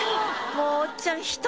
もうおっちゃん